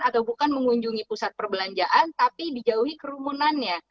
atau bukan mengunjungi pusat perbelanjaan tapi dijauhi kerumunannya